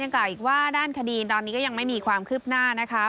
ยังเกลากล่าวอีกว่าด้านคดีก็ยังไม่มีความคืบหน้า